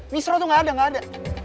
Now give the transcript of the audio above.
misro itu nggak ada nggak ada